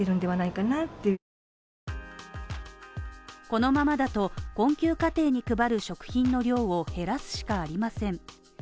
このままだと困窮家庭に配る食品の量を減らすしかありません。